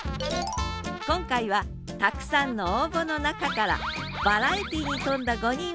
今回はたくさんの応募の中からバラエティーに富んだ５人を選出。